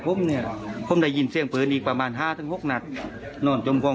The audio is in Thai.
ผมก็ไม่ใส่ใส่กางเกง